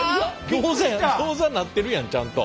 ギョーザやギョーザになってるやんちゃんと。